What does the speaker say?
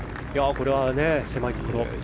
これは狭いところ。